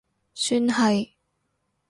算係